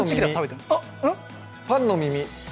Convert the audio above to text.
パンの耳？